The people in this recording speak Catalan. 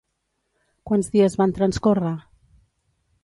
Quants dies van transcórrer?